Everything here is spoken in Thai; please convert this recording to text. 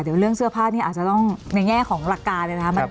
เดี๋ยวเรื่องเสื้อผ้านี้อาจจะต้องในแง่ของหลักการนะครับ